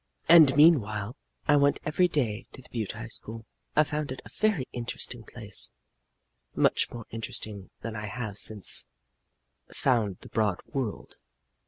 And meanwhile I went every day to the Butte High School. I found it a very interesting place much more interesting than I have since found the broad world.